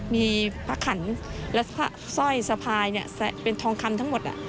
มีพระขันและสร้อยสะพายเป็นทองคำทั้งหมด